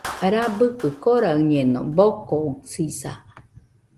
Rabɨkɨ koraɨñeno, bokoɨsisa.